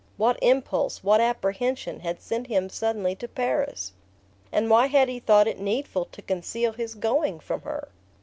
What impulse, what apprehension, had sent him suddenly to Paris? And why had he thought it needful to conceal his going from her?